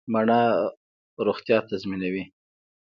مڼه روغتیا تضمینوي